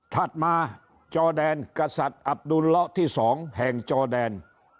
ถัดมาจอแดนกษัตริย์อับดุลเลาะที่๒แห่งจอแดน